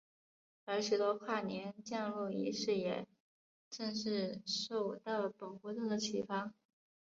而许多跨年降落仪式也正是受到本活动的启发。